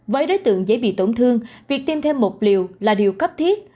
với đối tượng dễ bị tổn thương việc tiêm thêm một liều là điều cấp thiết